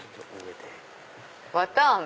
綿あめ！